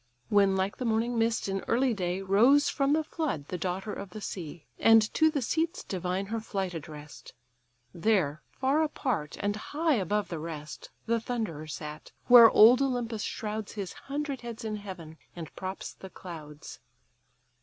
When, like the morning mist in early day, Rose from the flood the daughter of the sea: And to the seats divine her flight address'd. There, far apart, and high above the rest, The thunderer sat; where old Olympus shrouds His hundred heads in heaven, and props the clouds.